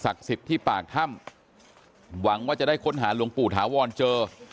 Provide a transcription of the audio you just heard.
สิทธิ์ที่ปากถ้ำหวังว่าจะได้ค้นหาหลวงปู่ถาวรเจอ